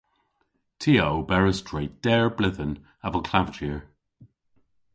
Ty a oberas dre deyr bledhen avel klavjier.